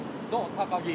高木。